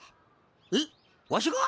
えっわしが？